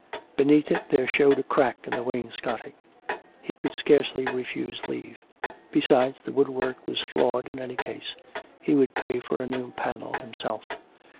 Beneath it there showed a crack in the wainscoting. ... He could scarcely refuse leave. Besides, the woodwork was flawed in any case — he would pay for a new panel himself.